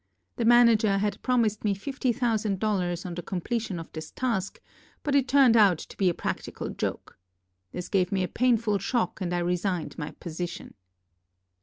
The Manager had promised me fifty thousand dollars on the completion of this task but it turned out to be a practical joke. This gave me a painful shock and I resigned my position.